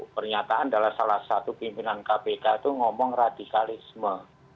pernyataan adalah salah satu pimpinan kpk itu ngomong radikalisme